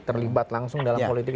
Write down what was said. terlibat langsung dalam politik